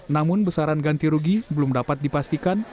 namun besaran ganti rugi belum dapat dipastikan